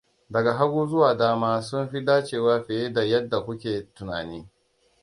Daga hagu zuwa dama sun fi dacewa fiye da yadda ku ke tunani.